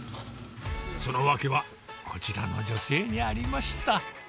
その訳は、こちらの女性にありました。